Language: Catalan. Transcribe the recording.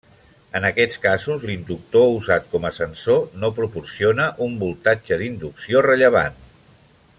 En aquests casos l'inductor usat com a sensor no proporciona un voltatge d'inducció rellevant.